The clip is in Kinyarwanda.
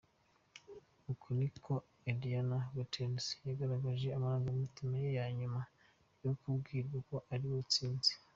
Uku niko Ariadna Gutierrez yagaragaje amarangamutima ye nyuma yo kubwirwa ko ariwe utsinze.